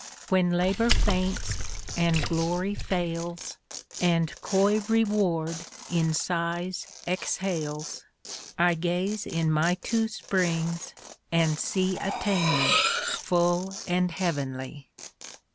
When Labor faints, and Glory fails, And coy Reward in sighs exhales, I gaze in my two springs and see Attainment full and heavenly.